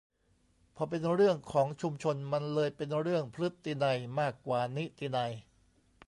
พอเป็นเรื่องของชุมชน มันเลยเป็นเรื่อง"พฤตินัย"มากกว่านิตินัย